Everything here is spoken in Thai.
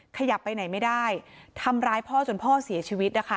ขยับไปไหนไม่ได้ทำร้ายพ่อจนพ่อเสียชีวิตนะคะ